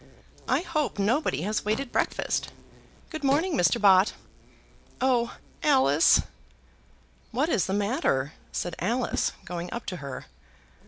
"I hope nobody has waited breakfast. Good morning, Mr. Bott. Oh, Alice!" "What is the matter?" said Alice, going up to her.